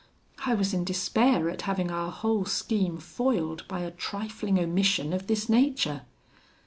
I was in despair at having our whole scheme foiled by a trifling omission of this nature.